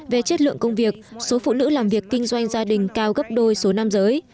về chất lượng công việc số phụ nữ làm việc kinh doanh gia đình cao gấp đôi số nam giới